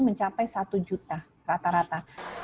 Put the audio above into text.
mencapai satu juta rata rata